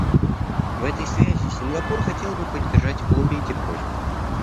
В этой связи Сингапур хотел бы поддержать обе эти просьбы.